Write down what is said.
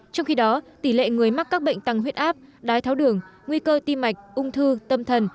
trong khi đó tỷ lệ người mắc các bệnh tăng huyết áp đái tháo đường nguy cơ tim mạch ung thư tâm thần